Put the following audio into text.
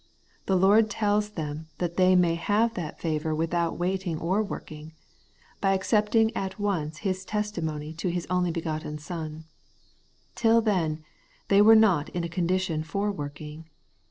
The Lord tells them that they may have that favour without waiting or working ; by accepting at once His testimony to His only begotten Son. Till then, they were not in a condition for working.